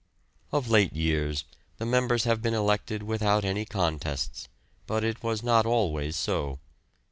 Of late years the members have been elected without any contests, but it was not always so.